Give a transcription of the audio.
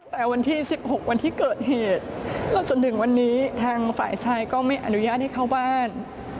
แต่วันที่๑๖วันที่เกิดเหตุจนถึงวันนี้ทางฝ่ายชายก็ไม่อนุญาตให้เข้าบ้าน